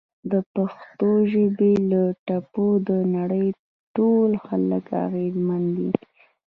د پښتو ژبې له ټپو د نړۍ ټول خلک اغیزمن دي!